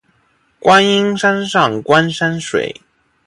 观音山上观山水